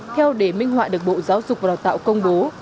theo đề minh họa được bộ giáo dục và đào tạo công bố